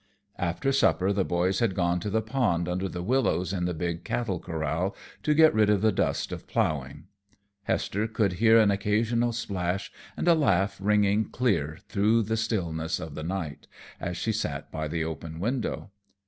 After supper the boys had gone to the pond under the willows in the big cattle corral, to get rid of the dust of plowing. Hester could hear an occasional splash and a laugh ringing clear through the stillness of the night, as she sat by the open window.